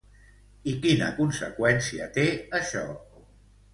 I quina conseqüència té això?